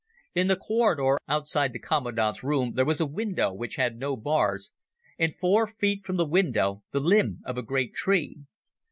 In the corridor outside the commandant's room there was a window which had no bars, and four feet from the window the limb of a great tree.